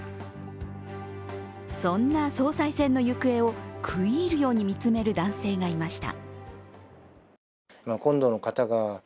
そんな総裁選の行方を食い入るように見つめる男性がいました。